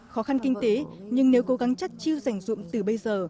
khó khăn kinh tế nhưng nếu cố gắng chắc chiêu dành dụng từ bây giờ